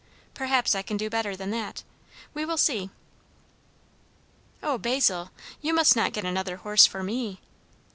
Perhaps I can do better than that. We will see." "O, Basil, you must not get another horse for me!"